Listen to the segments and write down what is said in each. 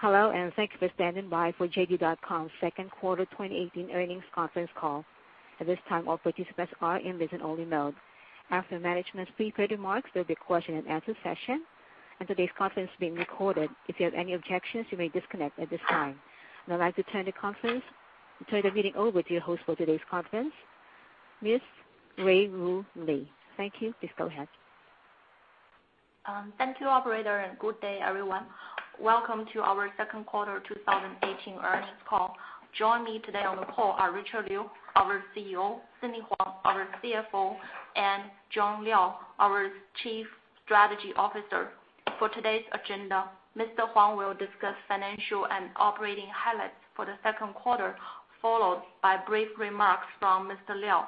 Hello. Thanks for standing by for JD.com's second quarter 2018 earnings conference call. At this time, all participants are in listen-only mode. After management's prepared remarks, there'll be a question and answer session. Today's conference is being recorded. If you have any objections, you may disconnect at this time. I'd now like to turn the meeting over to your host for today's conference, Ms. Ruiyu Li. Thank you. Please go ahead. Thank you, operator. Good day, everyone. Welcome to our second quarter 2018 earnings call. Joining me today on the call are Richard Liu, our CEO, Sidney Huang, our CFO, and Jianwen Liao, our Chief Strategy Officer. For today's agenda, Mr. Huang will discuss financial and operating highlights for the second quarter, followed by brief remarks from Mr. Liao.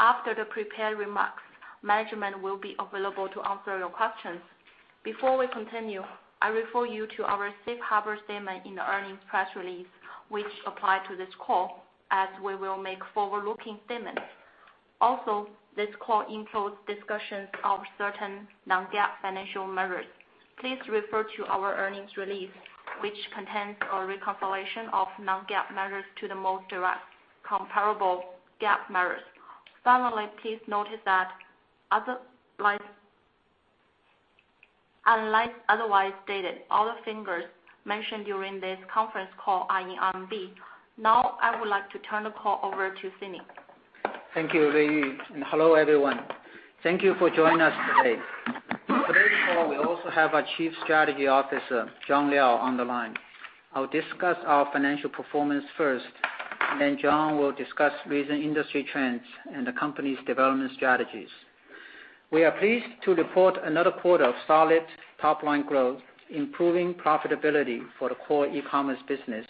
After the prepared remarks, management will be available to answer your questions. Before we continue, I refer you to our safe harbor statement in the earnings press release, which apply to this call, as we will make forward-looking statements. This call includes discussions of certain non-GAAP financial measures. Please refer to our earnings release, which contains a reconciliation of non-GAAP measures to the most direct comparable GAAP measures. Finally, please note that unless otherwise stated, all the figures mentioned during this conference call are in RMB. I would like to turn the call over to Sidney. Thank you, Ruiyu. Hello, everyone. Thank you for joining us today. On today's call, we also have our Chief Strategy Officer, Jianwen Liao, on the line. I'll discuss our financial performance first. Then Jianwen will discuss recent industry trends and the company's development strategies. We are pleased to report another quarter of solid top-line growth, improving profitability for the core e-commerce business,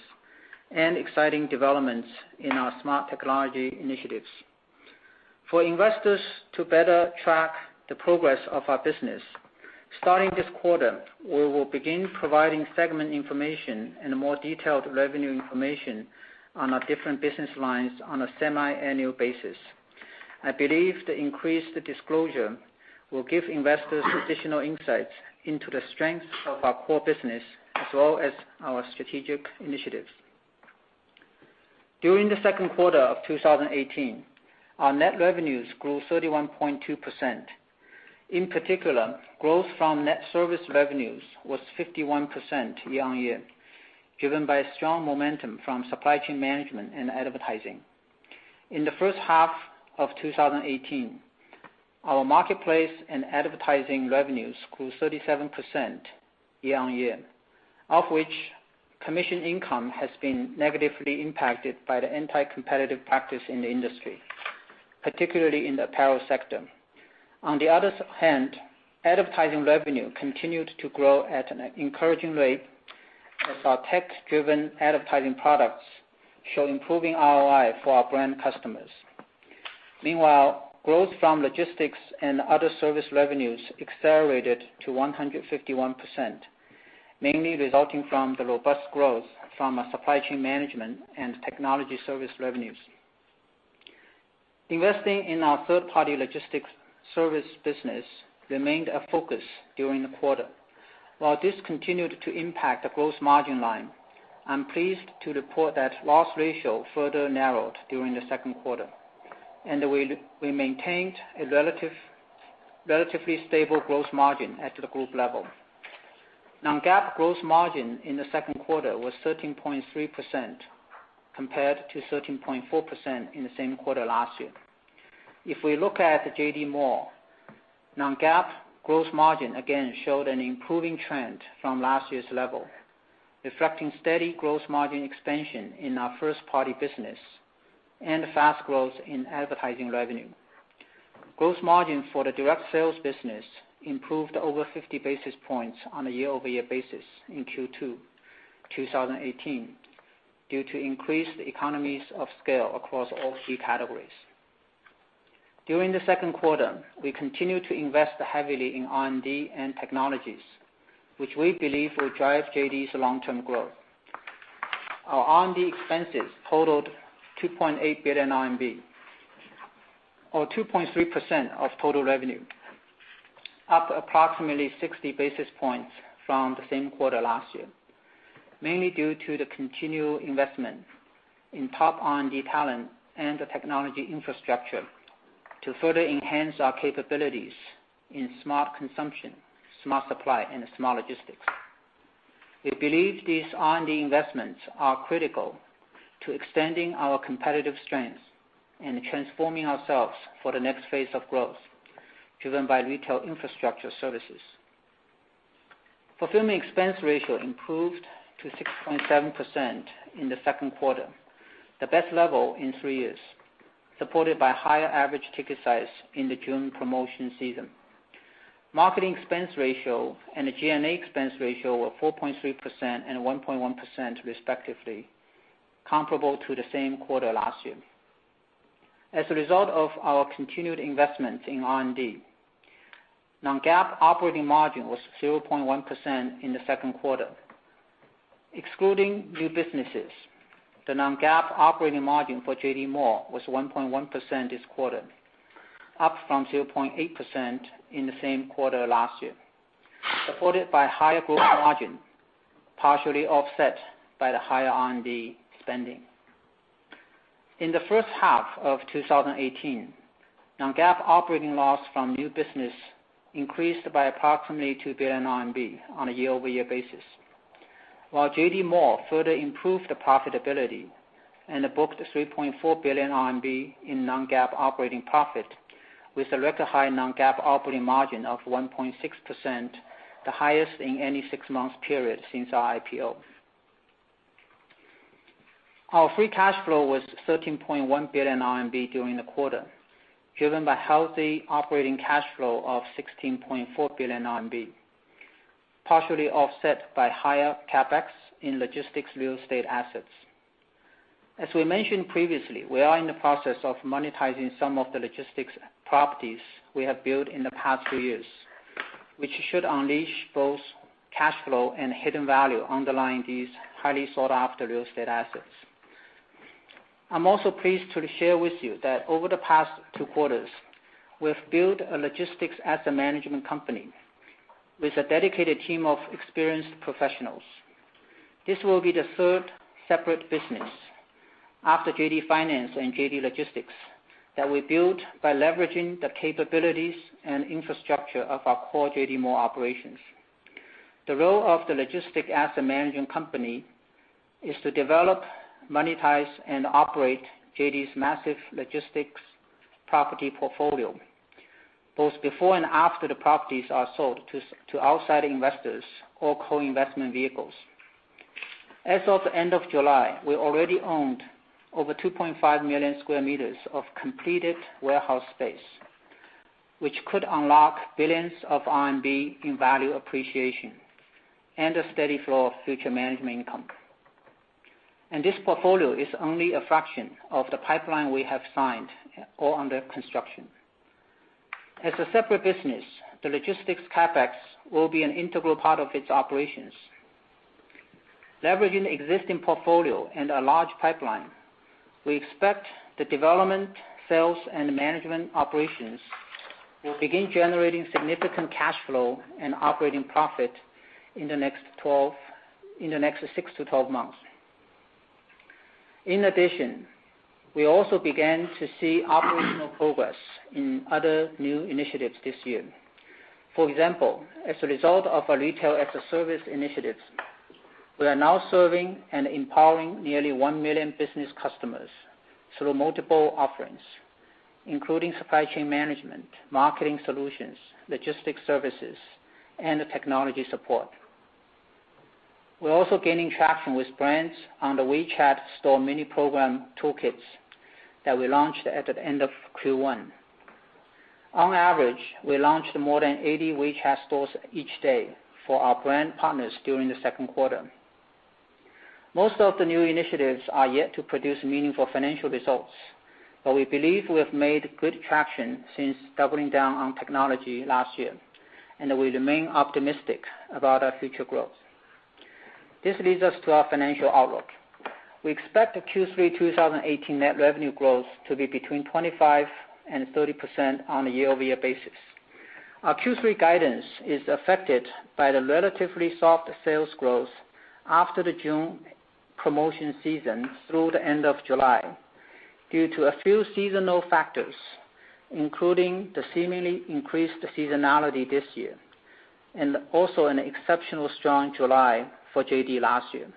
exciting developments in our smart technology initiatives. For investors to better track the progress of our business, starting this quarter, we will begin providing segment information and more detailed revenue information on our different business lines on a semi-annual basis. I believe the increased disclosure will give investors additional insights into the strength of our core business as well as our strategic initiatives. During the second quarter of 2018, our net revenues grew 31.2%. In particular, growth from net service revenues was 51% year-on-year, driven by strong momentum from supply chain management and advertising. In the first half of 2018, our marketplace and advertising revenues grew 37% year-on-year, of which commission income has been negatively impacted by the anti-competitive practice in the industry, particularly in the apparel sector. On the other hand, advertising revenue continued to grow at an encouraging rate as our tech-driven advertising products show improving ROI for our brand customers. Meanwhile, growth from logistics and other service revenues accelerated to 151%, mainly resulting from the robust growth from our supply chain management and technology service revenues. Investing in our third-party logistics service business remained a focus during the quarter. While this continued to impact the gross margin line, I'm pleased to report that loss ratio further narrowed during the second quarter, and we maintained a relatively stable gross margin at the group level. Non-GAAP gross margin in the second quarter was 13.3% compared to 13.4% in the same quarter last year. If we look at the JD Mall, non-GAAP gross margin again showed an improving trend from last year's level, reflecting steady gross margin expansion in our first-party business and fast growth in advertising revenue. Gross margin for the direct sales business improved over 50 basis points on a year-over-year basis in Q2 2018 due to increased economies of scale across all key categories. During the second quarter, we continued to invest heavily in R&D and technologies, which we believe will drive JD's long-term growth. Our R&D expenses totaled 2.8 billion RMB, or 2.3% of total revenue, up approximately 60 basis points from the same quarter last year, mainly due to the continued investment in top R&D talent and the technology infrastructure to further enhance our capabilities in smart consumption, smart supply, and smart logistics. We believe these R&D investments are critical to extending our competitive strengths and transforming ourselves for the next phase of growth driven by retail infrastructure services. Fulfillment expense ratio improved to 6.7% in the second quarter, the best level in three years, supported by higher average ticket size in the June promotion season. Marketing expense ratio and the G&A expense ratio were 4.3% and 1.1% respectively, comparable to the same quarter last year. As a result of our continued investments in R&D, non-GAAP operating margin was 0.1% in the second quarter. Excluding new businesses, the non-GAAP operating margin for JD Mall was 1.1% this quarter, up from 0.8% in the same quarter last year, supported by higher growth margin, partially offset by the higher R&D spending. In the first half of 2018, non-GAAP operating loss from new business increased by approximately 2 billion RMB on a year-over-year basis. While JD Mall further improved the profitability and booked 3.4 billion RMB in non-GAAP operating profit, with a record high non-GAAP operating margin of 1.6%, the highest in any six-month period since our IPO. Our free cash flow was 13.1 billion RMB during the quarter, driven by healthy operating cash flow of 16.4 billion RMB, partially offset by higher CapEx in logistics real estate assets. As we mentioned previously, we are in the process of monetizing some of the logistics properties we have built in the past few years, which should unleash both cash flow and hidden value underlying these highly sought-after real estate assets. I'm also pleased to share with you that over the past two quarters, we have built a logistics asset management company with a dedicated team of experienced professionals. This will be the third separate business, after JD Finance and JD Logistics, that we built by leveraging the capabilities and infrastructure of our core JD Mall operations. The role of the logistics asset managing company is to develop, monetize, and operate JD's massive logistics property portfolio, both before and after the properties are sold to outside investors or co-investment vehicles. As of the end of July, we already owned over 2.5 million sq m of completed warehouse space, which could unlock billions of RMB in value appreciation and a steady flow of future management income. This portfolio is only a fraction of the pipeline we have signed or under construction. As a separate business, the logistics CapEx will be an integral part of its operations. Leveraging existing portfolio and a large pipeline, we expect the development, sales, and management operations will begin generating significant cash flow and operating profit in the next 6 to 12 months. In addition, we also began to see operational progress in other new initiatives this year. For example, as a result of our retail-as-a-service initiatives, we are now serving and empowering nearly 1 million business customers through multiple offerings, including supply chain management, marketing solutions, logistics services, and technology support. We're also gaining traction with brands on the WeChat store Mini Program toolkits that we launched at the end of Q1. On average, we launched more than 80 WeChat stores each day for our brand partners during the second quarter. Most of the new initiatives are yet to produce meaningful financial results, we believe we have made good traction since doubling down on technology last year, we remain optimistic about our future growth. This leads us to our financial outlook. We expect the Q3 2018 net revenue growth to be between 25% and 30% on a year-over-year basis. Our Q3 guidance is affected by the relatively soft sales growth after the June promotion season through the end of July due to a few seasonal factors, including the seemingly increased seasonality this year, and also an exceptional strong July for JD last year.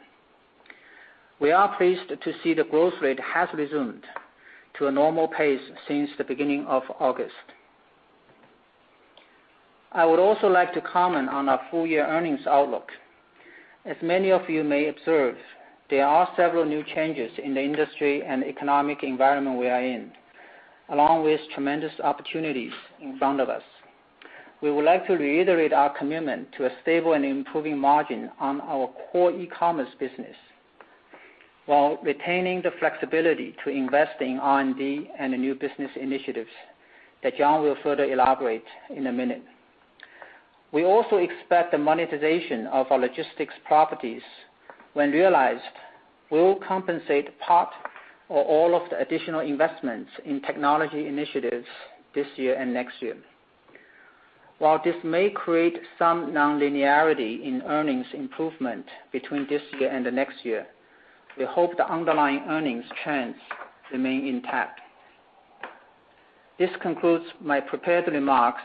We are pleased to see the growth rate has resumed to a normal pace since the beginning of August. I would also like to comment on our full-year earnings outlook. As many of you may observe, there are several new changes in the industry and economic environment we are in, along with tremendous opportunities in front of us. We would like to reiterate our commitment to a stable and improving margin on our core e-commerce business, while retaining the flexibility to invest in R&D and the new business initiatives that Jianwen will further elaborate in a minute. We also expect the monetization of our logistics properties, when realized, will compensate part or all of the additional investments in technology initiatives this year and next year. While this may create some non-linearity in earnings improvement between this year and the next year, we hope the underlying earnings trends remain intact. This concludes my prepared remarks.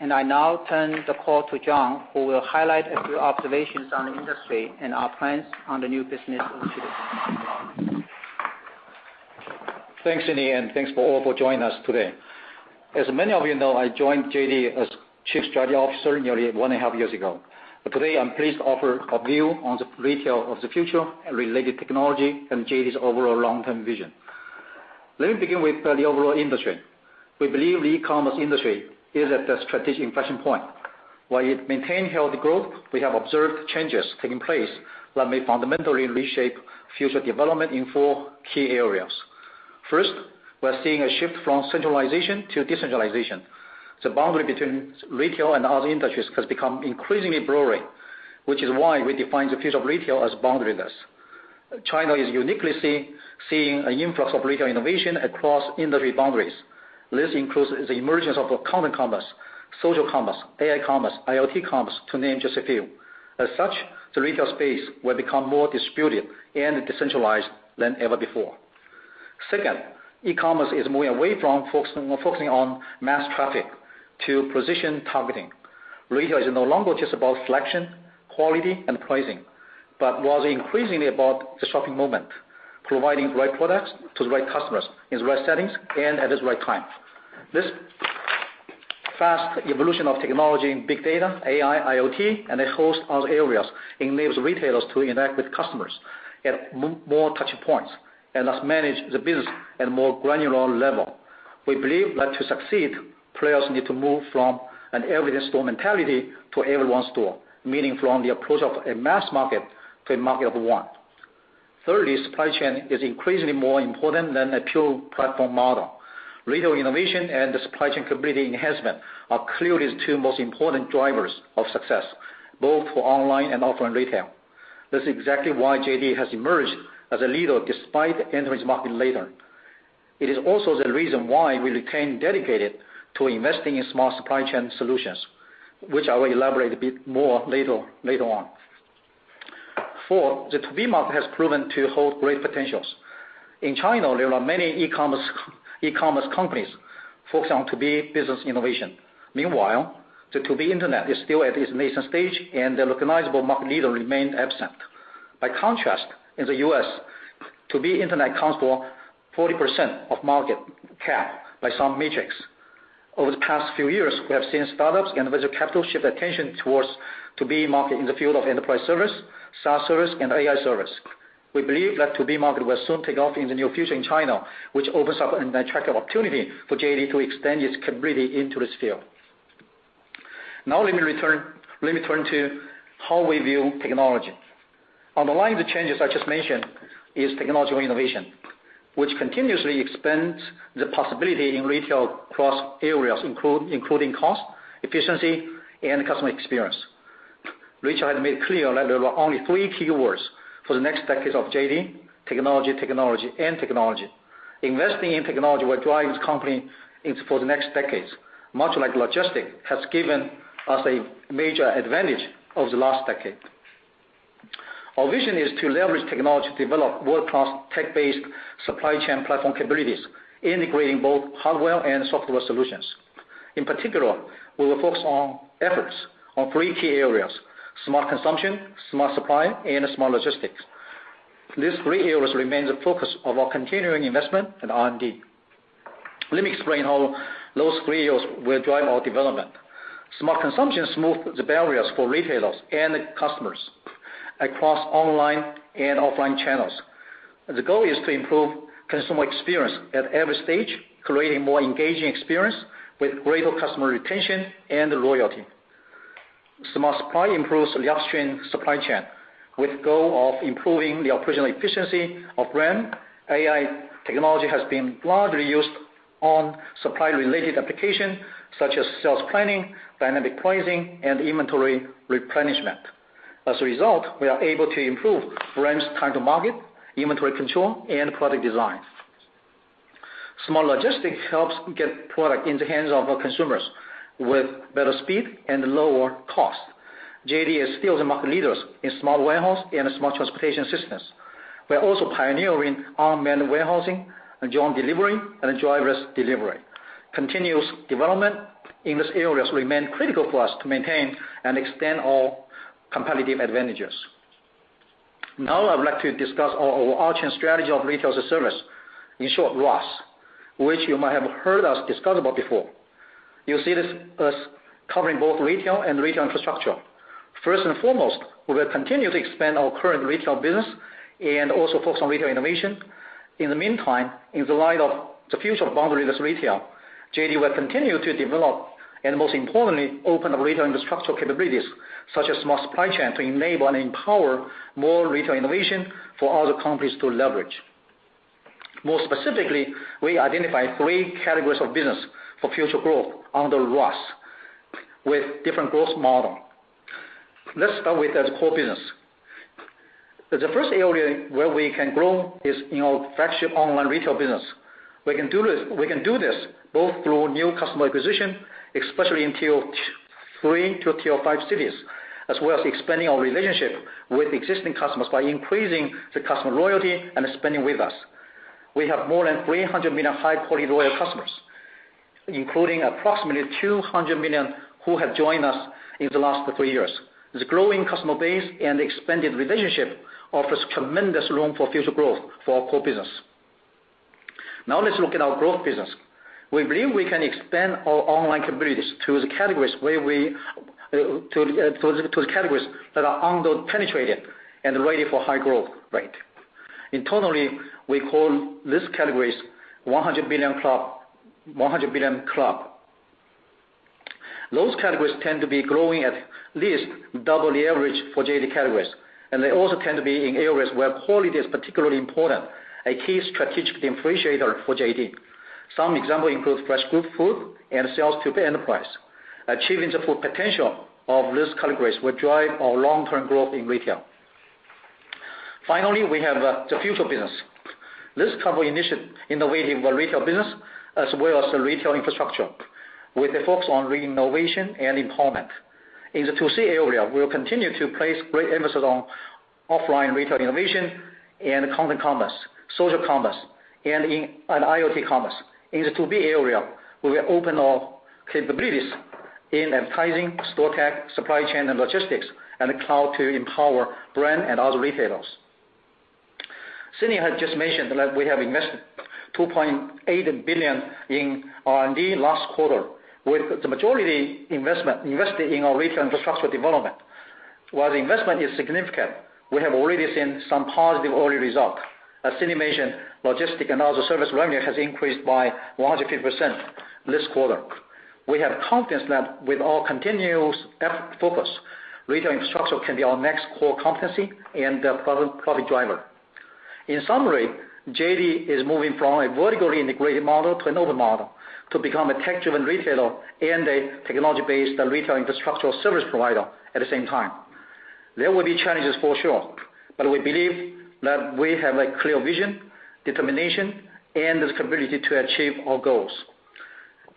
I now turn the call to Jianwen, who will highlight a few observations on the industry and our plans on the new business initiatives. Thank you, Jianwen. Thanks, Sidney. Thanks for all for joining us today. As many of you know, I joined JD as Chief Strategy Officer nearly one and a half years ago. Today, I'm pleased to offer a view on the retail of the future and related technology and JD's overall long-term vision. Let me begin with the overall industry. We believe the e-commerce industry is at a strategic inflection point. While it maintain healthy growth, we have observed changes taking place that may fundamentally reshape future development in four key areas. First, we are seeing a shift from centralization to decentralization. The boundary between retail and other industries has become increasingly blurry, which is why we define the future of retail as boundaryless. China is uniquely seeing an influx of retail innovation across industry boundaries. This includes the emergence of content commerce, social commerce, AI commerce, IoT commerce, to name just a few. As such, the retail space will become more disputed and decentralized than ever before. Second, e-commerce is moving away from focusing on mass traffic to position targeting. Retail is no longer just about selection, quality, and pricing, but was increasingly about the shopping moment, providing the right products to the right customers in the right settings and at the right time. This fast evolution of technology and big data, AI, IoT, and a host of other areas enables retailers to interact with customers at more touchpoints, and thus manage the business at a more granular level. We believe that to succeed, players need to move from an every store mentality to every one store. Meaning from the approach of a mass market to a market of one. Thirdly, supply chain is increasingly more important than a pure platform model. Retail innovation and the supply chain completing enhancement are clearly the two most important drivers of success, both for online and offline retail. That's exactly why JD has emerged as a leader despite entering the market later. It is also the reason why we remain dedicated to investing in smart supply chain solutions, which I will elaborate a bit more later on. Four, the 2B market has proven to hold great potentials. In China, there are many e-commerce companies focused on 2B business innovation. Meanwhile, the 2B internet is still at its nascent stage, and the recognizable market leader remained absent. By contrast, in the U.S., 2B internet accounts for 40% of market cap by some metrics. Over the past few years, we have seen startups and venture capital shift attention towards 2B market in the field of enterprise service, SaaS service, and AI service. We believe that 2B market will soon take off in the near future in China, which opens up an attractive opportunity for JD to extend its capability into this field. Now let me turn to how we view technology. Underlying the changes I just mentioned is technological innovation, which continuously expands the possibility in retail across areas, including cost, efficiency, and customer experience. Richard had made it clear that there were only three keywords for the next decade of JD: technology, and technology. Investing in technology will drive this company for the next decades, much like logistics has given us a major advantage over the last decade. Our vision is to leverage technology to develop world-class tech-based supply chain platform capabilities, integrating both hardware and software solutions. In particular, we will focus our efforts on three key areas: smart consumption, smart supply, and smart logistics. These three areas remain the focus of our continuing investment in R&D. Let me explain how those three areas will drive our development. Smart consumption smooth the barriers for retailers and customers across online and offline channels. The goal is to improve consumer experience at every stage, creating more engaging experience with greater customer retention and loyalty. Smart supply improves the upstream supply chain with goal of improving the operational efficiency of brand. AI technology has been largely used on supply-related application such as sales planning, dynamic pricing, and inventory replenishment. As a result, we are able to improve brands' time to market, inventory control, and product design. Smart logistics helps get product into the hands of our consumers with better speed and lower cost. JD is still the market leaders in smart warehouse and smart transportation systems. We are also pioneering unmanned warehousing, and drone delivery, and driverless delivery. Continuous development in these areas remain critical for us to maintain and extend our competitive advantages. Now I would like to discuss our overarching strategy of Retail as a Service. In short, RaaS, which you might have heard us discuss about before. You'll see this as covering both retail and retail infrastructure. First and foremost, we will continue to expand our current retail business and also focus on retail innovation. In the meantime, in the light of the future of boundaryless retail, JD will continue to develop, and most importantly, open up retail infrastructure capabilities such as smart supply chain to enable and empower more retail innovation for other companies to leverage. More specifically, we identify 3 categories of business for future growth under RaaS, with different growth model. Let's start with the core business. The first area where we can grow is in our flagship online retail business. We can do this both through new customer acquisition, especially in tier 3 to tier 5 cities, as well as expanding our relationship with existing customers by increasing the customer loyalty and spending with us. We have more than 300 million high-quality loyal customers, including approximately 200 million who have joined us in the last three years. The growing customer base and expanded relationship offers tremendous room for future growth for our core business. Now let's look at our growth business. We believe we can expand our online capabilities to the categories that are under-penetrated and ready for high growth rate. Internally, we call these categories 100 Billion Club. Those categories tend to be growing at least double the average for JD categories, and they also tend to be in areas where quality is particularly important, a key strategic differentiator for JD. Some example includes fresh food and sales to enterprise. Achieving the full potential of this category will drive our long-term growth in retail. Finally, we have the future business. This covers innovation in the retail business, as well as the retail infrastructure, with a focus on renovation and empowerment. In the 2C area, we will continue to place great emphasis on offline retail innovation and content commerce, social commerce, and IoT commerce. In the 2B area, we will open our capabilities in advertising, store tech, supply chain and logistics, and cloud to empower brand and other retailers. Sidney had just mentioned that we have invested 2.8 billion in R&D last quarter, with the majority invested in our retail infrastructure development. While the investment is significant, we have already seen some positive early results. As Sidney mentioned, logistics and other service revenue has increased by 150% this quarter. We have confidence that with our continuous effort focus, retail infrastructure can be our next core competency and a profit driver. In summary, JD is moving from a vertically integrated model to another model to become a tech-driven retailer and a technology-based retail infrastructure service provider at the same time. There will be challenges for sure. We believe that we have a clear vision, determination, and the capability to achieve our goals.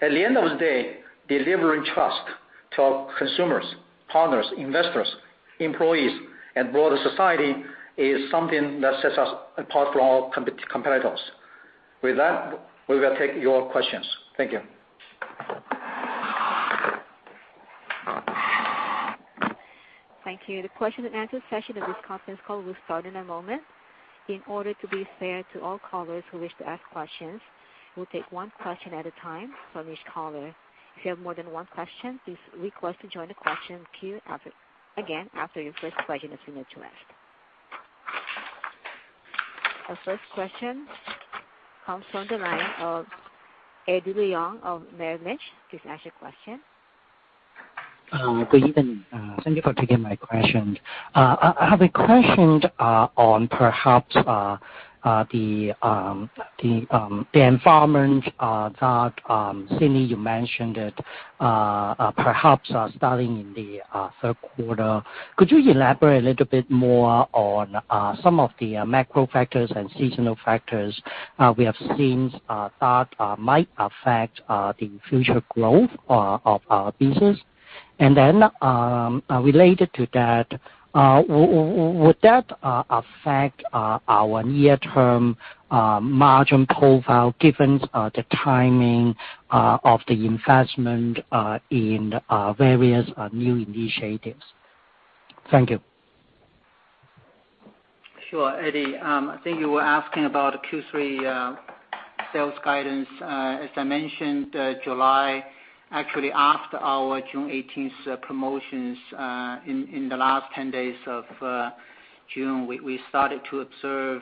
At the end of the day, delivering trust to our consumers, partners, investors, employees, and broader society is something that sets us apart from our competitors. With that, we will take your questions. Thank you. Thank you. The question and answer session of this conference call will start in a moment. In order to be fair to all callers who wish to ask questions, we will take one question at a time from each caller. If you have more than one question, please request to join the question queue again after your first question has been addressed. Our first question comes from the line of Eddie Leung of Merrill Lynch to ask a question. Good evening. Thank you for taking my questions. I have a question on perhaps the environment that, Sidney, you mentioned, perhaps starting in the third quarter. Could you elaborate a little bit more on some of the macro factors and seasonal factors we have seen that might affect the future growth of our business? Related to that, would that affect our near-term margin profile given the timing of the investment in various new initiatives? Thank you. Sure. Eddie, I think you were asking about Q3 sales guidance. As I mentioned, July, actually after our June 18th promotions, in the last 10 days of June, we started to observe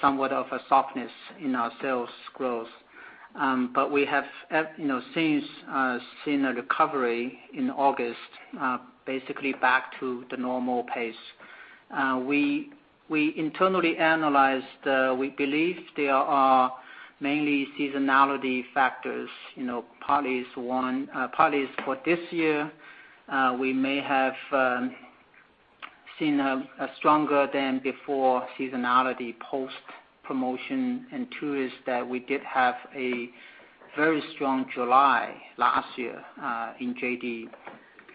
somewhat of a softness in our sales growth. We have since seen a recovery in August, basically back to the normal pace. We internally analyzed, we believe there are mainly seasonality factors. Partly, it is for this year, we may have seen a stronger than before seasonality post-promotion. Two is that we did have a very strong July last year in JD.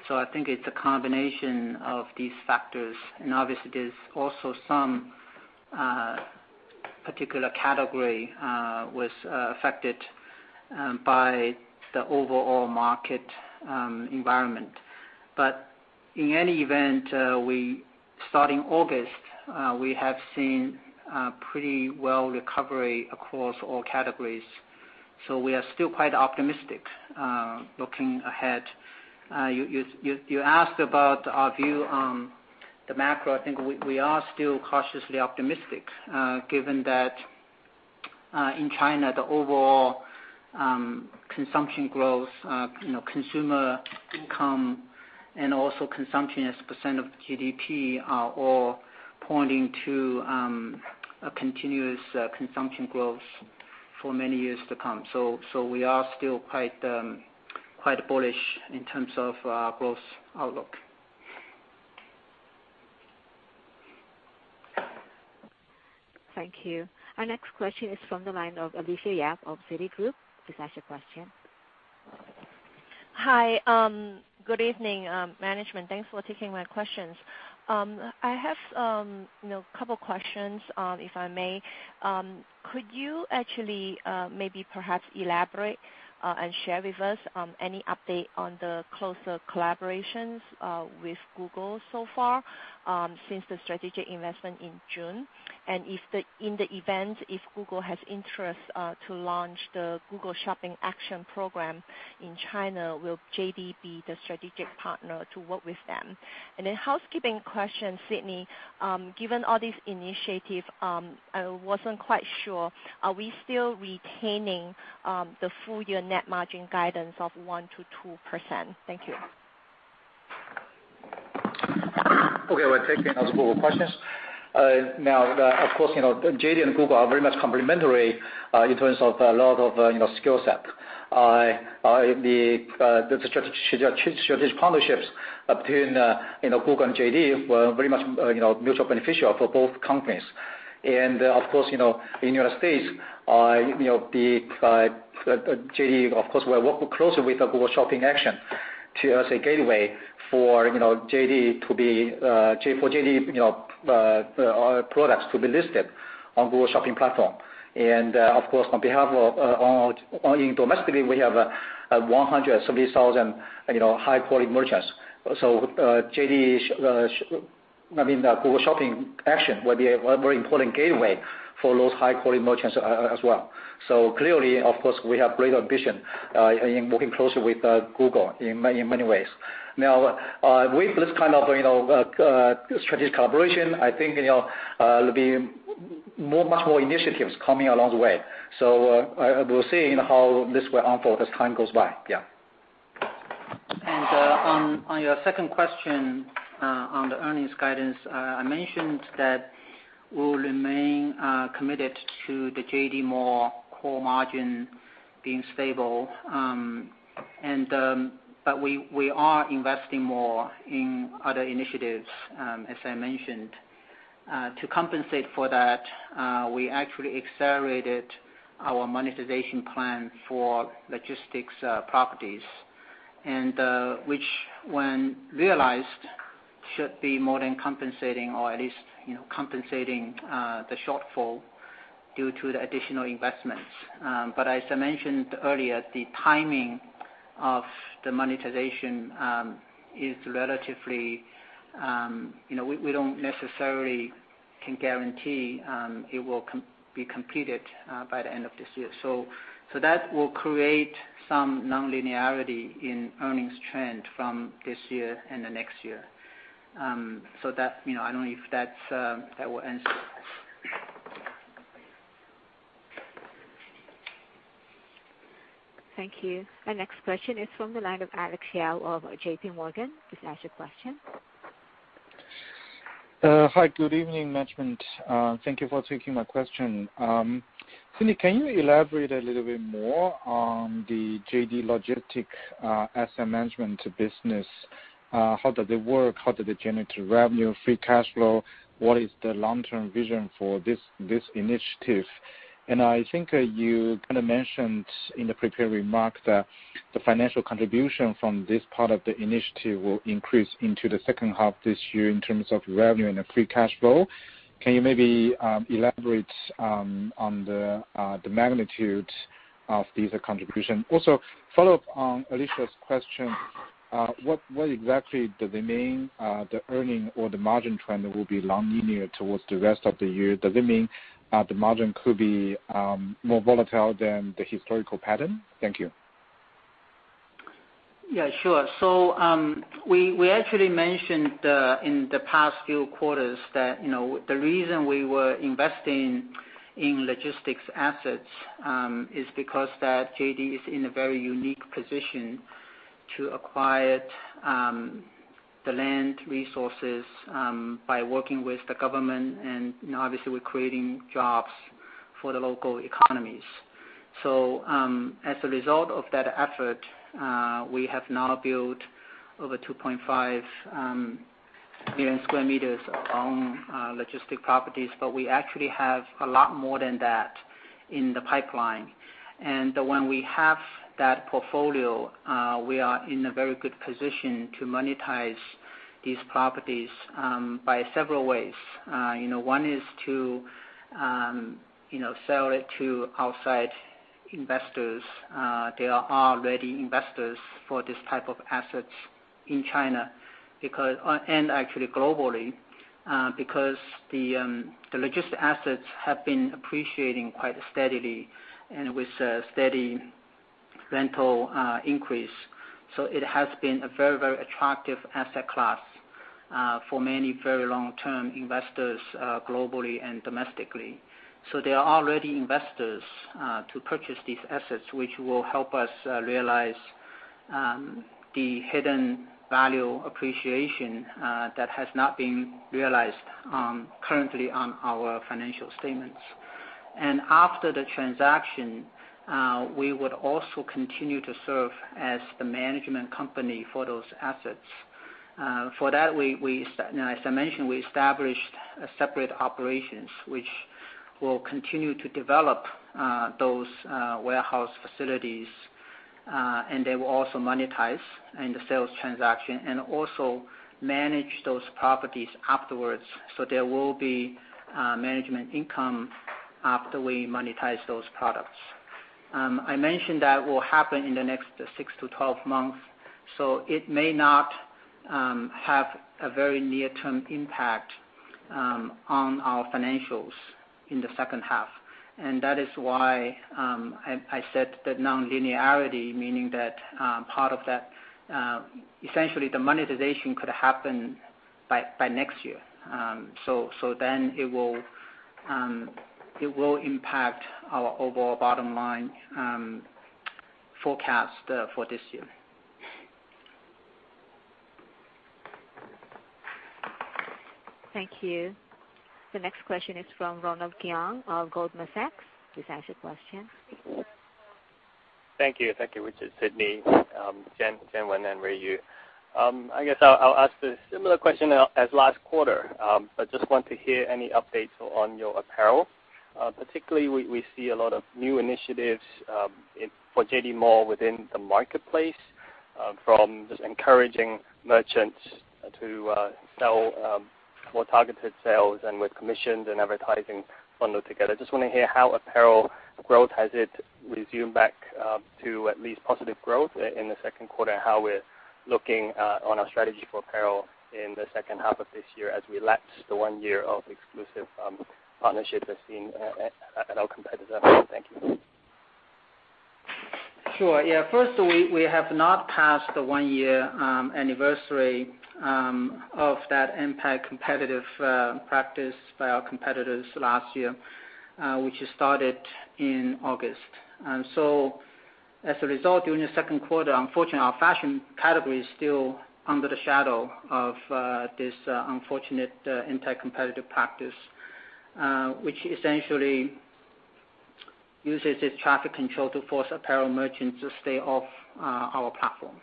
I think it is a combination of these factors. Obviously, there is also some particular category was affected by the overall market environment. In any event, starting August, we have seen pretty well recovery across all categories. We are still quite optimistic looking ahead. You asked about our view on the macro. I think we are still cautiously optimistic, given that in China, the overall consumption growth, consumer income, and also consumption as a percent of GDP are all pointing to a continuous consumption growth for many years to come. We are still quite bullish in terms of our growth outlook. Thank you. Our next question is from the line of Alicia Yap of Citigroup to ask a question. Hi. Good evening, management. Thanks for taking my questions. I have a couple questions, if I may. Could you actually maybe perhaps elaborate and share with us any update on the closer collaborations with Google so far since the strategic investment in June? In the event if Google has interest to launch the Google Shopping Action program in China, will JD be the strategic partner to work with them? A housekeeping question, Sidney. Given all these initiatives, I wasn't quite sure, are we still retaining the full-year net margin guidance of 1%-2%? Thank you. Okay. We'll take another couple of questions. Of course, JD and Google are very much complementary in terms of a lot of skill set. The strategic partnerships between Google and JD were very much mutually beneficial for both companies. Of course, in the U.S., JD, of course, will work closely with the Google Shopping Action as a gateway for JD products to be listed on Google Shopping platform. Of course, on behalf of owning domestically, we have 170,000 high-quality merchants. Google Shopping Action will be a very important gateway for those high-quality merchants as well. Clearly, of course, we have great ambition in working closely with Google in many ways. With this kind of strategic collaboration, I think, there'll be much more initiatives coming along the way. We'll see how this will unfold as time goes by. Yeah. On your second question on the earnings guidance, I mentioned that we'll remain committed to the JD Mall core margin being stable. We are investing more in other initiatives, as I mentioned. To compensate for that, we actually accelerated our monetization plan for logistics properties, and which, when realized, should be more than compensating or at least compensating the shortfall due to the additional investments. As I mentioned earlier, the timing of the monetization, we don't necessarily can guarantee it will be completed by the end of this year. That will create some non-linearity in earnings trend from this year and the next year. I don't know if that will answer. Thank you. Our next question is from the line of Alex Yao of JPMorgan. Please ask your question. Hi, good evening, management. Thank you for taking my question. Sidney, can you elaborate a little bit more on the JD Logistics asset management business? How does it work? How does it generate revenue, free cash flow? What is the long-term vision for this initiative? I think you kind of mentioned in the prepared remark that the financial contribution from this part of the initiative will increase into the second half this year in terms of revenue and free cash flow. Can you maybe elaborate on the magnitude of these contributions? Follow-up on Alicia's question, what exactly does it mean, the earning or the margin trend will be non-linear towards the rest of the year? Does it mean the margin could be more volatile than the historical pattern? Thank you. Yeah, sure. We actually mentioned in the past few quarters that the reason we were investing in logistics assets is because JD is in a very unique position to acquire the land resources by working with the government, and obviously, we're creating jobs for the local economies. As a result of that effort, we have now built over 2.5 million sq m of our own logistics properties, but we actually have a lot more than that in the pipeline. When we have that portfolio, we are in a very good position to monetize these properties by several ways. One is to sell it to outside investors. There are already investors for this type of assets in China and actually globally, because the logistics assets have been appreciating quite steadily and with a steady rental increase. It has been a very, very attractive asset class for many very long-term investors globally and domestically. There are already investors to purchase these assets, which will help us realize the hidden value appreciation that has not been realized currently on our financial statements. After the transaction, we would also continue to serve as the management company for those assets. For that, as I mentioned, we established separate operations, which will continue to develop those warehouse facilities, and they will also monetize in the sales transaction and also manage those properties afterwards. There will be management income after we monetize those products. I mentioned that will happen in the next 6-12 months, it may not have a very near-term impact on our financials in the second half. That is why I said the non-linearity, meaning that part of that, essentially the monetization could happen by next year. It will impact our overall bottom line forecast for this year. Thank you. The next question is from Ronald Keung of Goldman Sachs. Please ask your question. Thank you. Thank you. Richard, Sidney, Jianwen and Ruiyu. I guess I'll ask a similar question as last quarter, just want to hear any updates on your apparel. Particularly, we see a lot of new initiatives, for JD Mall within the marketplace, from just encouraging merchants to sell more targeted sales and with commissions and advertising bundled together. Just want to hear how apparel growth, has it resumed back to at least positive growth in the second quarter, how we're looking on our strategy for apparel in the second half of this year as we lapse the one year of exclusive partnerships as seen at our competitor. Thank you. Sure. Yeah. First, we have not passed the one year anniversary of that impact competitive practice by our competitors last year, which started in August. As a result, during the second quarter, unfortunately, our fashion category is still under the shadow of this unfortunate anti-competitive practice, which essentially uses its traffic control to force apparel merchants to stay off our platform.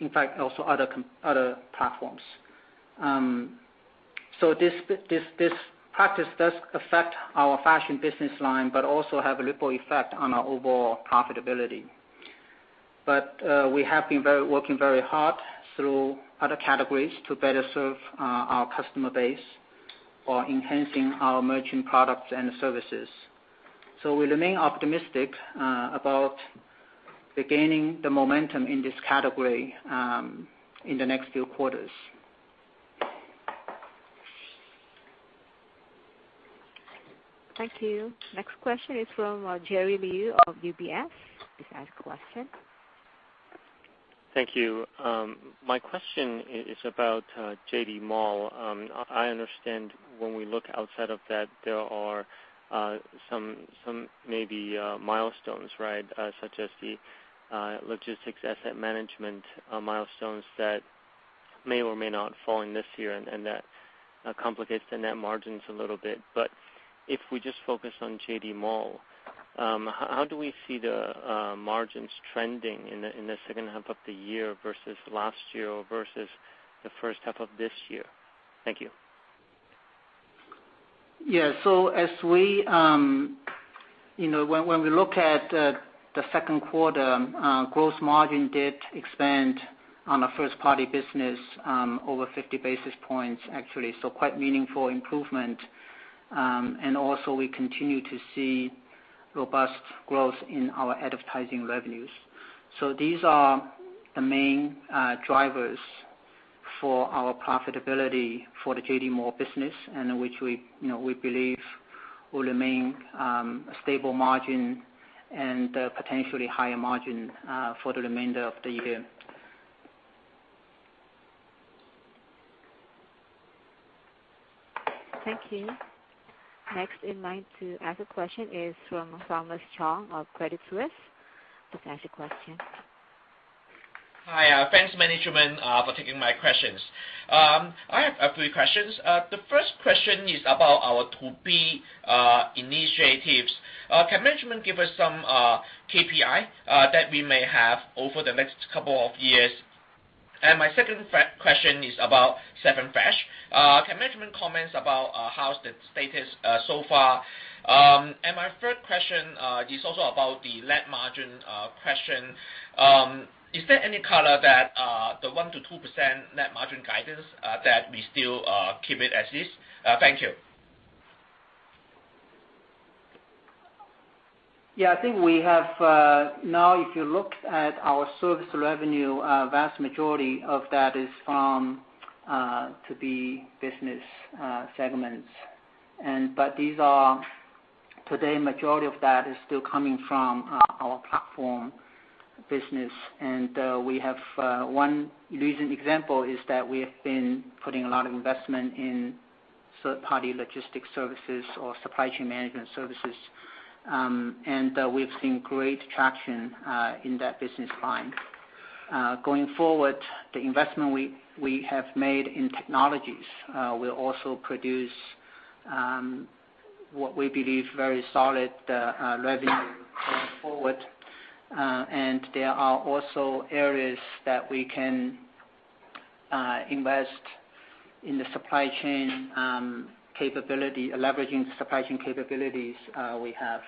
In fact, also other platforms. This practice does affect our fashion business line, but also have a ripple effect on our overall profitability. We have been working very hard through other categories to better serve our customer base or enhancing our merchant products and services. We remain optimistic about gaining the momentum in this category in the next few quarters. Thank you. Next question is from Jerry Liu of UBS. Please ask your question. Thank you. My question is about JD Mall. I understand when we look outside of that, there are some maybe milestones, right? Such as the logistics asset management milestones that may or may not fall in this year, and that complicates the net margins a little bit. If we just focus on JD Mall, how do we see the margins trending in the second half of the year versus last year or versus the first half of this year? Thank you. When we look at the second quarter, gross margin did expand on a first-party business, over 50 basis points, actually. Quite meaningful improvement. We continue to see robust growth in our advertising revenues. These are the main drivers for our profitability for the JD Mall business, which we believe will remain a stable margin and potentially higher margin for the remainder of the year. Thank you. Next in line to ask a question is from Thomas Chong of Credit Suisse. Please ask your question. Hi, thanks management for taking my questions. I have a few questions. The first question is about our 2B initiatives. Can management give us some KPI that we may have over the next couple of years? My second question is about 7Fresh. Can management comment about how's the status so far? My third question is also about the net margin question. Is there any color that the 1%-2% net margin guidance that we still keep it as is? Thank you. If you look at our service revenue, a vast majority of that is from 2B business segments. Today majority of that is still coming from our platform business. We have one recent example is that we have been putting a lot of investment in third-party logistics services or supply chain management services. We've seen great traction in that business line. Going forward, the investment we have made in technologies will also produce what we believe very solid revenue going forward. There are also areas that we can invest in the supply chain capability, leveraging supply chain capabilities we have.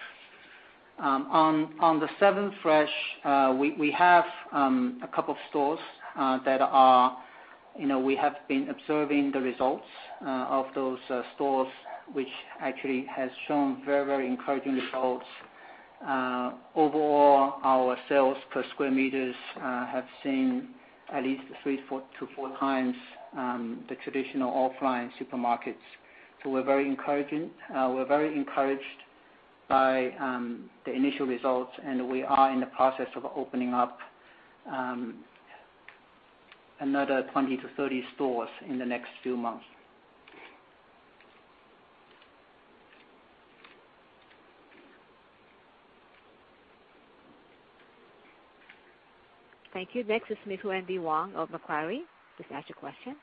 On the 7Fresh, we have a couple of stores that we have been observing the results of those stores, which actually has shown very encouraging results. Overall, our sales per square meters have seen at least three to four times the traditional offline supermarkets. We're very encouraged by the initial results, and we are in the process of opening up another 20 to 30 stores in the next few months. Thank you. Next is Wendy Huang of Macquarie. Please ask your question.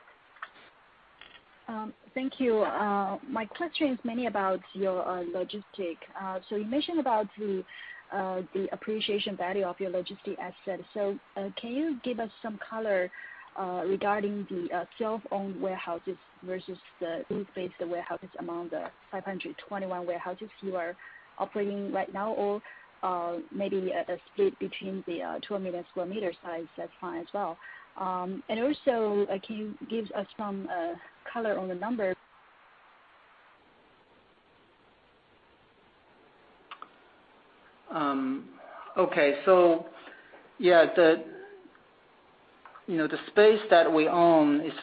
Thank you. You mentioned about the appreciation value of your logistics asset. Can you give us some color regarding the self-owned warehouses versus the third-party warehouses among the 521 warehouses you are operating right now? Or maybe a split between the 2 million square meters size, that's fine as well. Also, can you give us some color on the numbers? Okay. Yeah, the space that we own is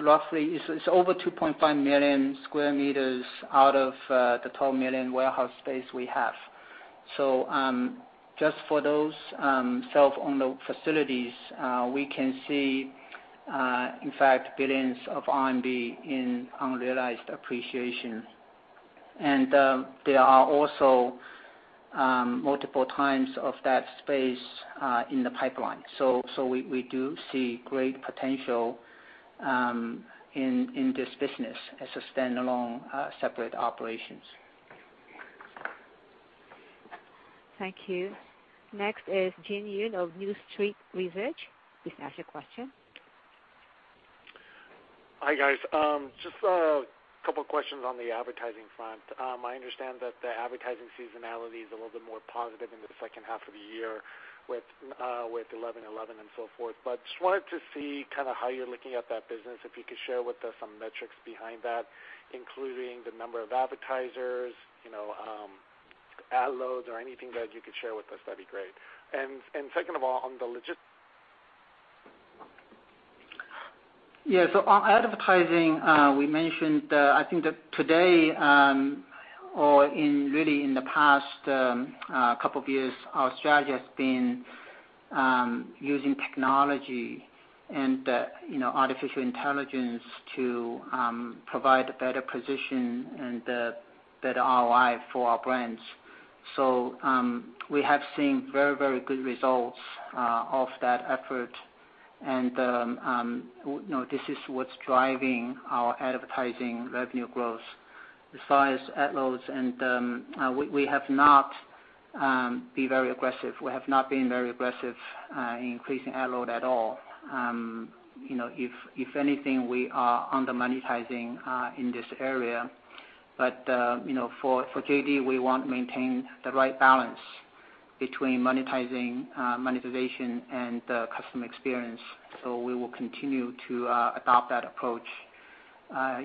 over 2.5 million square meters out of the 12 million warehouse space we have. Just for those self-owned facilities, we can see, in fact, billions of RMB in unrealized appreciation. There are also multiple times of that space in the pipeline. We do see great potential in this business as a standalone separate operation. Thank you. Next is Jin Yoon of New Street Research. Please ask your question. Hi, guys. Just a couple of questions on the advertising front. I understand that the advertising seasonality is a little bit more positive in the second half of the year with 11.11 and so forth, just wanted to see how you're looking at that business. If you could share with us some metrics behind that, including the number of advertisers, ad loads or anything that you could share with us, that'd be great. Yeah. On advertising, we mentioned, I think that today, or really in the past couple of years, our strategy has been using technology and artificial intelligence to provide a better position and a better ROI for our brands. We have seen very good results of that effort, this is what's driving our advertising revenue growth. As far as ad loads, we have not been very aggressive in increasing ad load at all. If anything, we are under-monetizing in this area. For JD, we want to maintain the right balance between monetization and the customer experience. We will continue to adopt that approach,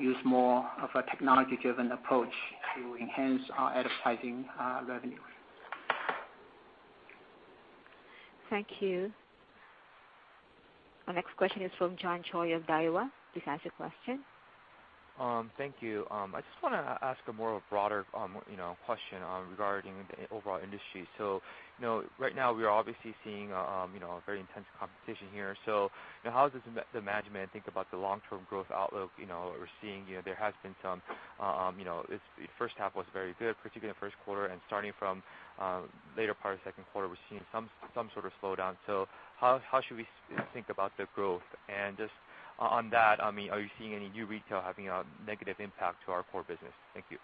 use more of a technology-driven approach to enhance our advertising revenue. Thank you. Our next question is from John Choi of Daiwa. Please ask the question. Thank you. I just want to ask a more broader question regarding the overall industry. Right now we are obviously seeing very intense competition here. How does the management think about the long-term growth outlook? The first half was very good, particularly the first quarter. Starting from the later part of the second quarter, we're seeing some sort of slowdown. How should we think about the growth? Just on that, are you seeing any new retail having a negative impact to our core business? Thank you.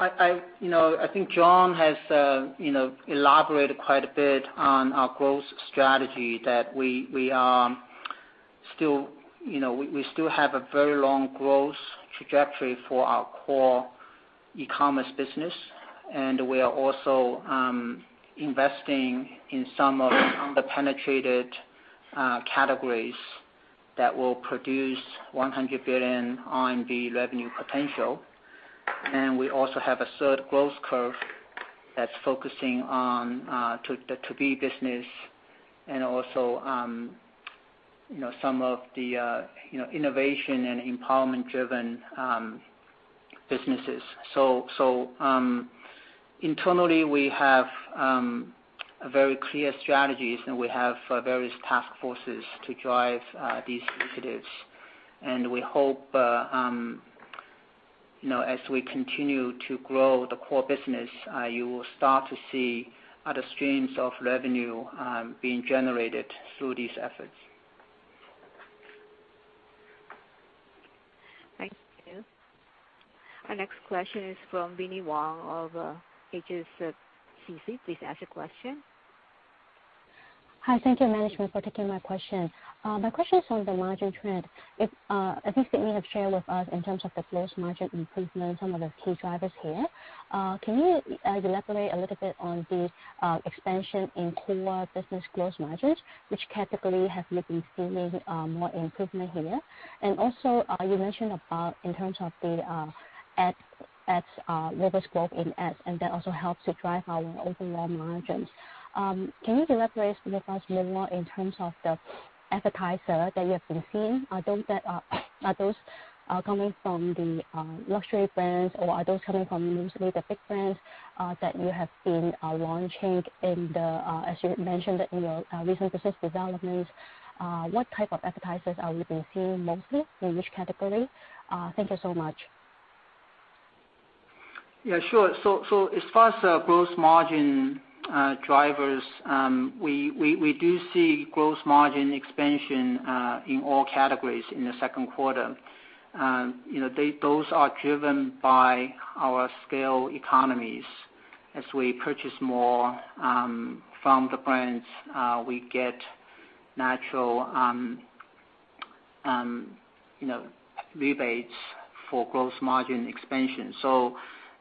I think John has elaborated quite a bit on our growth strategy that we still have a very long growth trajectory for our core e-commerce business, we are also investing in some of the under-penetrated categories that will produce 100 billion RMB revenue potential. We also have a third growth curve that's focusing on the 2B business and also some of the innovation and empowerment-driven businesses. Internally, we have very clear strategies, we have various task forces to drive these initiatives. We hope as we continue to grow the core business, you will start to see other streams of revenue being generated through these efforts. Thank you. Our next question is from Charlene Liu of HSBC. Please ask the question. Hi. Thank you, management, for taking my question. My question is on the margin trend. I think that you have shared with us in terms of the gross margin improvement, some of the key drivers here. Can you elaborate a little bit on the expansion in core business gross margins? Which category have you been seeing more improvement here? You mentioned about in terms of the growth in ads, and that also helps to drive our overall margins. Can you elaborate with us a little more in terms of the advertisers that you have been seeing? Are those coming from the luxury brands, or are those coming from mostly the big brands that you have been launching? As you mentioned in your recent business developments, what type of advertisers have you been seeing mostly? In which category? Thank you so much. Yeah, sure. As far as gross margin drivers, we do see gross margin expansion in all categories in the second quarter. Those are driven by our scale economies. As we purchase more from the brands, we get natural rebates for gross margin expansion.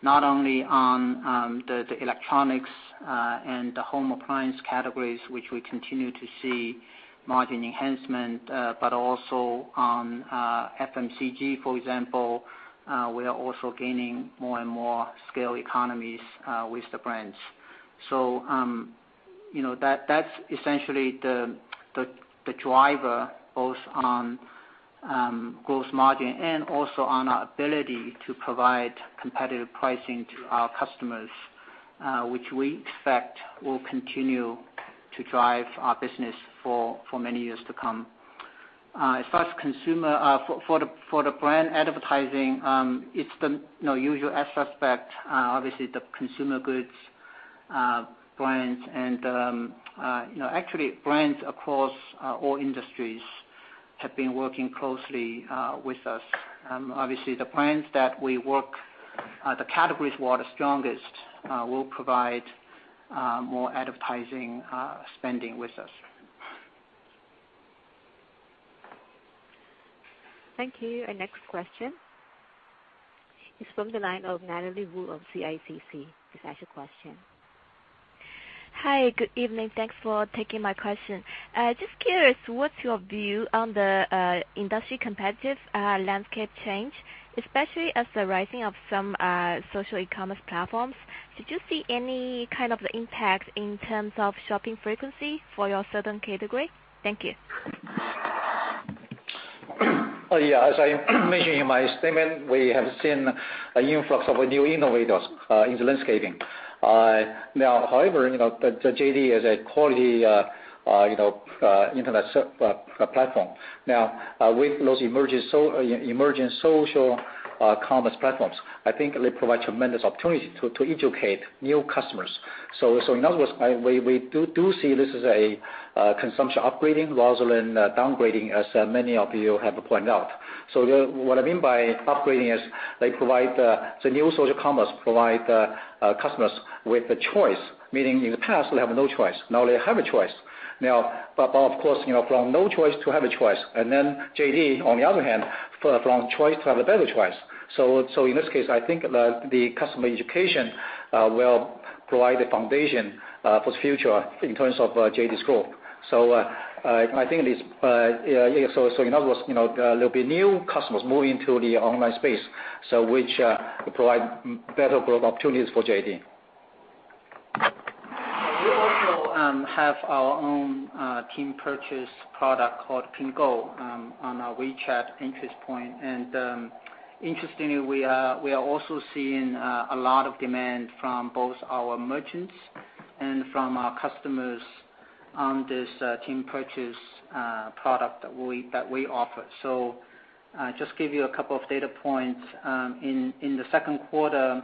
Not only on the electronics and the home appliance categories, which we continue to see margin enhancement, but also on FMCG, for example, we are also gaining more and more scale economies with the brands. That's essentially the driver, both on gross margin and also on our ability to provide competitive pricing to our customers, which we expect will continue to drive our business for many years to come. As far as for the brand advertising, it's the usual aspect. Obviously, the consumer goods brands and actually brands across all industries have been working closely with us. Obviously, the brands that we work, the categories who are the strongest will provide more advertising spending with us. Thank you. Our next question is from the line of Natalie Wu of CICC. Please ask your question. Hi, good evening. Thanks for taking my question. Just curious, what's your view on the industry competitive landscape change, especially as the rising of some social e-commerce platforms? Did you see any kind of impact in terms of shopping frequency for your certain category? Thank you. As I mentioned in my statement, we have seen an influx of new innovators into landscape. However, JD is a quality internet platform. With those emerging social commerce platforms, I think they provide tremendous opportunity to educate new customers. In other words, we do see this as a consumption upgrading rather than downgrading, as many of you have pointed out. What I mean by upgrading is the new social commerce provide customers with a choice, meaning in the past, they have no choice. They have a choice. Of course, from no choice to have a choice, and then JD, on the other hand, from choice to have a better choice. In this case, I think the customer education will provide a foundation for the future in terms of JD's growth. In other words, there'll be new customers moving to the online space, which provide better growth opportunities for JD. We also have our own team purchase product called JD Pingou on our WeChat entry point, and interestingly, we are also seeing a lot of demand from both our merchants and from our customers on this team purchase product that we offer. Just give you a couple of data points. In the second quarter,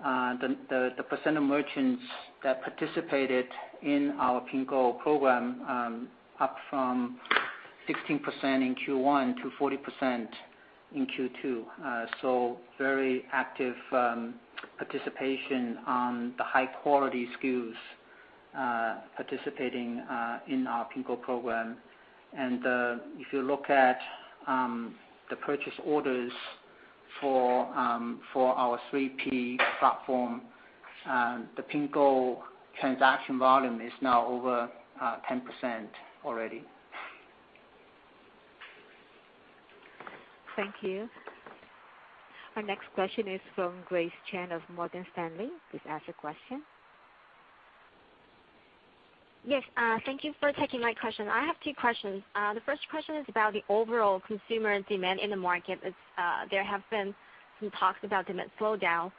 the % of merchants that participated in our JD Pingou program up from 16% in Q1 to 40% in Q2. Very active participation on the high-quality SKUs participating in our JD Pingou program. If you look at the purchase orders for our 3P platform, the JD Pingou transaction volume is now over 10% already. Thank you. Our next question is from Grace Chen of Morgan Stanley. Please ask your question. Yes. Thank you for taking my question. I have two questions. The first question is about the overall consumer demand in the market. There have been some talks about demand slowdown.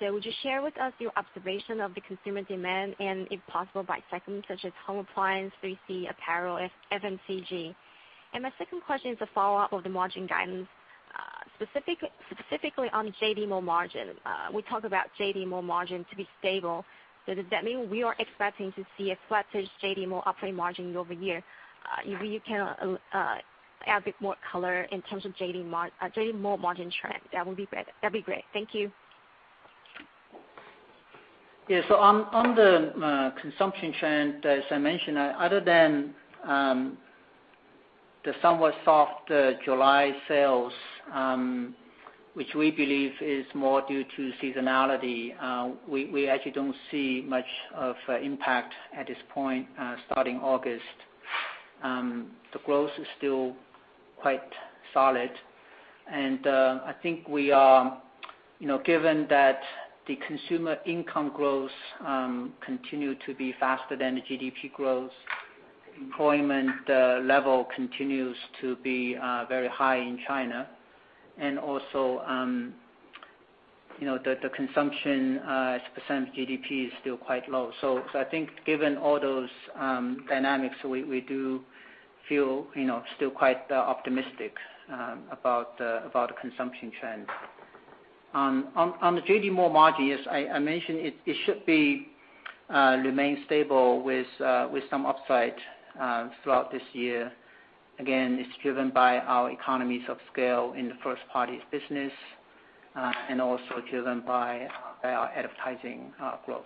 Would you share with us your observation of the consumer demand and if possible, by segment such as home appliance, 3C, apparel, FMCG? My second question is a follow-up of the margin guidance, specifically on JD Mall margin. We talk about JD Mall margin to be stable. Does that mean we are expecting to see a flattish JD Mall operating margin year-over-year? If you can add a bit more color in terms of JD Mall margin trend, that would be great. Thank you. Yeah. On the consumption trend, as I mentioned, other than the somewhat soft July sales, which we believe is more due to seasonality, we actually don't see much of impact at this point starting August. The growth is still quite solid, and I think given that the consumer income growth continue to be faster than the GDP growth, employment level continues to be very high in China. Also, the consumption as a percent of GDP is still quite low. I think given all those dynamics, we do feel still quite optimistic about the consumption trend. On the JD Mall margin, as I mentioned, it should remain stable with some upside throughout this year. Again, it's driven by our economies of scale in the first party business and also driven by our advertising growth.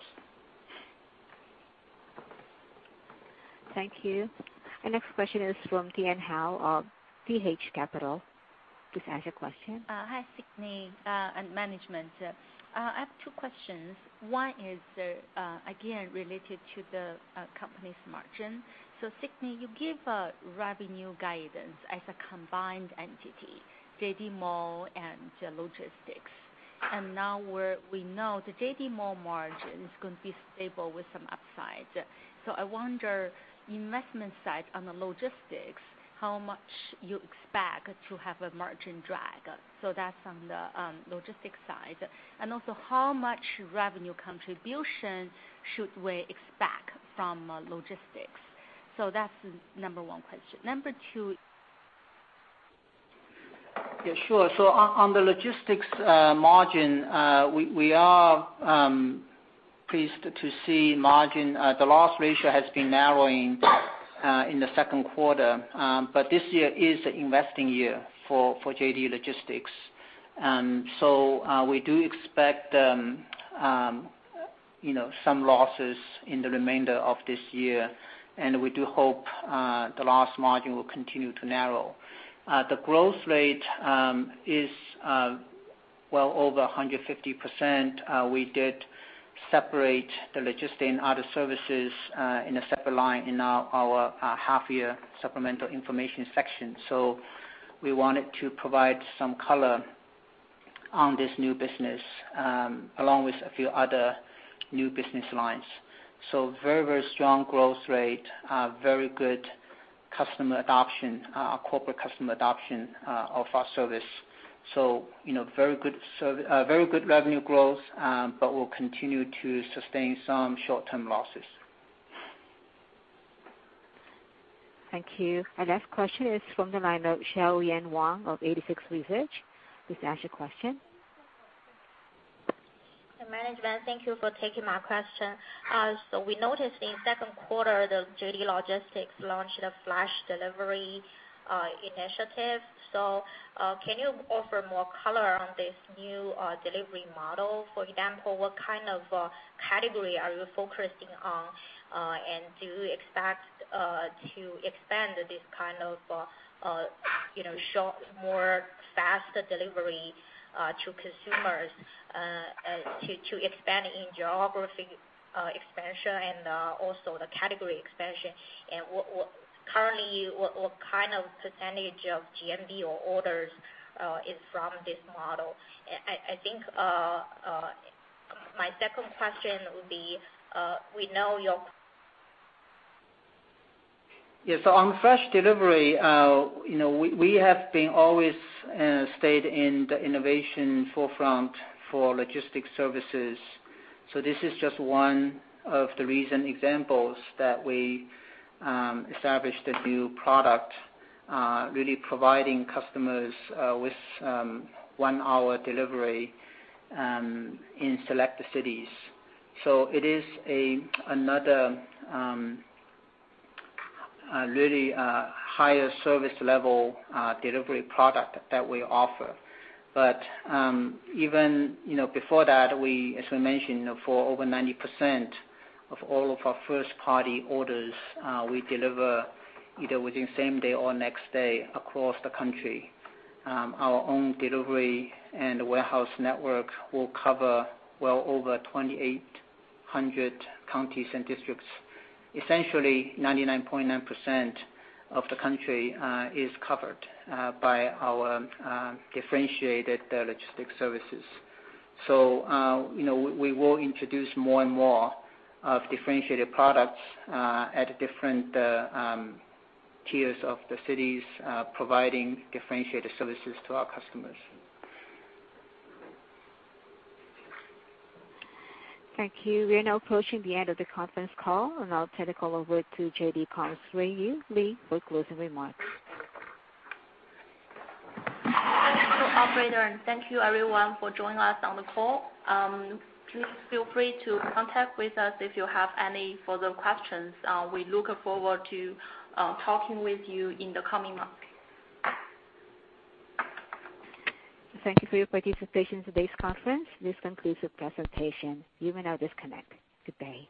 Thank you. Our next question is from Tian Hou of T.H. Capital. Please ask your question. Hi, Sidney and management. I have two questions. One is, again, related to the company's margin. Sidney, you gave a revenue guidance as a combined entity, JD Mall and JD Logistics. Now we know the JD Mall margin is going to be stable with some upside. I wonder, investment side on the logistics, how much you expect to have a margin drag? That's on the logistics side. Also, how much revenue contribution should we expect from logistics? That's the number one question. Number two Yeah, sure. On the logistics margin, we are pleased to see margin. The loss ratio has been narrowing in the second quarter. This year is an investing year for JD Logistics. We do expect some losses in the remainder of this year, and we do hope the loss margin will continue to narrow. The growth rate is well over 150%. We did separate the logistics and other services in a separate line in our half-year supplemental information section. We wanted to provide some color on this new business, along with a few other new business lines. Very strong growth rate, very good corporate customer adoption of our service. Very good revenue growth, but we'll continue to sustain some short-term losses. Thank you. Our next question is from the line of Xiaoyan Wang of 86Research. Please ask your question. Management, thank you for taking my question. We noticed in the second quarter, the JD Logistics launched the Flash Delivery initiative. Can you offer more color on this new delivery model? For example, what kind of category are you focusing on? Do you expect to expand this kind of more faster delivery to consumers to expand in geography expansion and also the category expansion? Currently, what kind of % of GMV or orders is from this model? I think my second question would be, we know your- Yeah. On Flash Delivery, we have been always stayed in the innovation forefront for logistics services. This is just one of the recent examples that we established a new product, really providing customers with one-hour delivery in select cities. It is another really higher service-level delivery product that we offer. But even before that, as we mentioned, for over 90% of all of our first-party orders, we deliver either within same day or next day across the country. Our own delivery and warehouse network will cover well over 2,800 counties and districts. Essentially, 99.9% of the country is covered by our differentiated logistics services. We will introduce more and more differentiated products at different tiers of the cities, providing differentiated services to our customers. Thank you. We are now approaching the end of the conference call, and I'll turn the call over to JD.com's Ruiyu Li for closing remarks. Thank you, operator, and thank you everyone for joining us on the call. Please feel free to contact us if you have any further questions. We look forward to talking with you in the coming months. Thank you for your participation in today's conference. This concludes the presentation. You may now disconnect. Goodbye